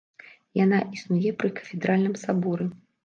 Яна існуе пры кафедральным саборы.